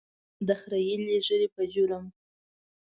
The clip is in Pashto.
د خرییلې ږیرې په جرم.